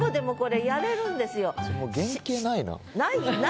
もう原形ないな。